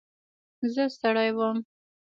زه ستړی وم.